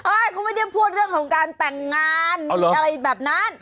เขาไม่ได้พูดเรื่องของการแต่งงานมีอะไรแบบนั้น